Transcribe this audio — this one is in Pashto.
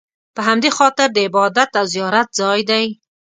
په همدې خاطر د عبادت او زیارت ځای دی.